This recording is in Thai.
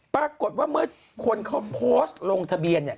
ปรากฏว่าเมื่อคนเขาโพสต์ลงทะเบียนเนี่ย